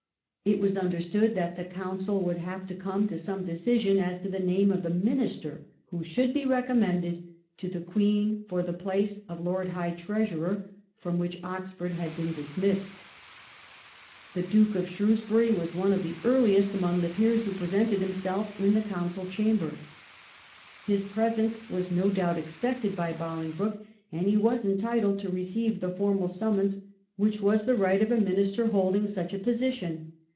It was understood that the Council would have to come to some decision as to the name of the Minister who should be recommended to the Queen for the place of Lord High Treasurer from which Oxford had been dismissed. The Duke of Shrews bury was one of the earhest among the peers who presented themselves in the Council chamber. His presence was no doubt expected by Bohngbroke, and he was entitled to receive the formal summons which was the right of a Minister holding such a position.